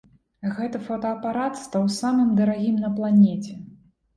Гэта фотаапарат стаў самым дарагім на планеце.